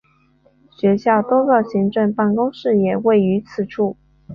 学校多个行政办公室也位于此处。